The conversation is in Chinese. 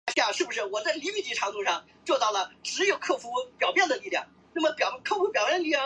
地层单位在地层学中是指根据岩层的不同特征或属性将其划分成的不同单位。